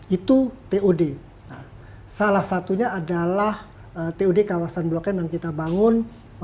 itu tod salah satunya adalah tod kawasan blok m yang kita bangun